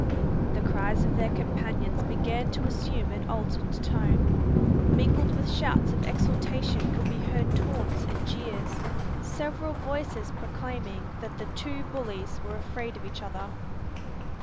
The cries of their companions began to assume an altered tone. Mingled with shouts of exhortation could be heard taunts and jeers, several voices proclaiming that the "two bullies were afraid of each other."